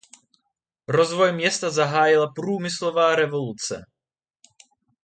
Rozvoj města zahájila průmyslová revoluce.